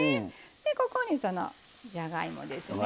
でここにじゃがいもですね。